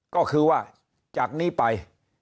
ก็คือว่าจากนี้ไป